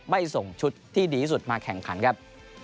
ไม่ส่งชุดที่ดีที่สุดมาแข่งขันครับ